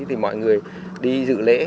thì mọi người đi dự lễ